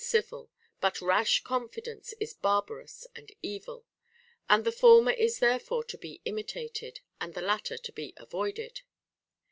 77 civil, but rash confidence is barbarous and evil ; and the former is therefore to be imitated, and the latter to be avoided.